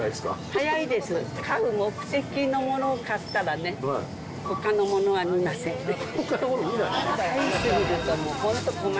買う目的のものを買ったらね、ほかのものは見ません。